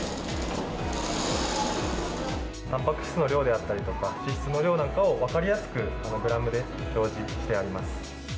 たんぱく質の量であったりとか、脂質の量なんかを分かりやすくグラムで表示してあります。